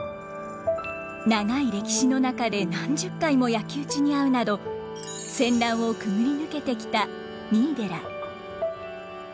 長い歴史の中で何十回も焼き打ちに遭うなど戦乱を潜り抜けてきた三井寺。